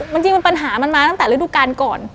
มันจริงมันปัญหามันมาตั้งแต่ฤดูกรรมก่อน